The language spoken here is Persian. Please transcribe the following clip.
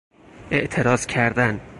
اعتراض کردن